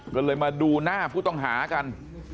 ก็เลยมาดูหน้าผู้ต้องหากัน